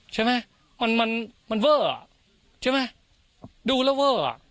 ใช่ไหมมันมันเวอร์อ่ะใช่ไหมดูแล้วเวอร์อ่ะ